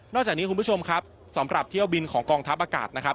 จากนี้คุณผู้ชมครับสำหรับเที่ยวบินของกองทัพอากาศนะครับ